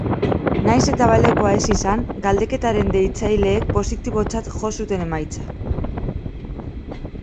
Nahiz eta balekoa ez izan, galdeketaren deitzaileek positibotzat jo zuten emaitza.